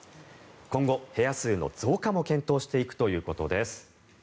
今後、部屋数の増加も検討していくということです。